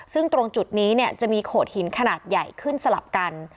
ซึ่งตรงจุดนี้จะมีโขดหินขนาดใหญ่ขึ้นสลับกัน